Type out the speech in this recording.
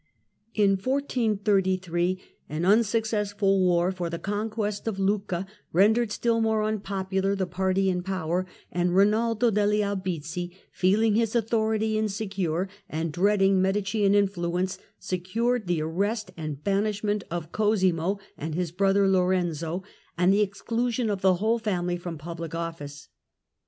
War with In 1433 an unsuccessful war for the conquest of Lucca rendered still more unpopular the party in power, and Erinaldo degli Albizzi, feeling his authority insecure and dreading Medicean influence, secured the arrest and banishment of Cosimo and his brother Lorenzo, and the exclusion of the whole family from public ofiQce.